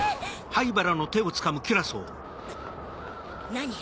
何？